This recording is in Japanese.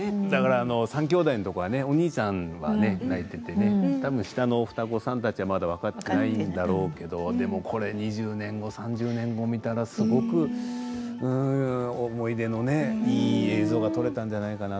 三兄弟のところはねお兄ちゃんは泣いていて下の双子さんたちはまだ分からないだろうけど２０年後３０年後ぐらいに見たらすごく思い出のいい映像が撮れたんじゃないかな。